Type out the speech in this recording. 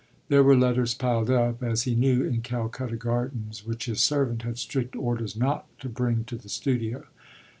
There were letters piled up, as he knew, in Calcutta Gardens, which his servant had strict orders not to bring to the studio.